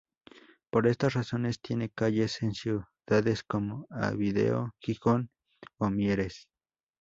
Por estas razones tiene calles en ciudades como Oviedo, Gijón o Mieres.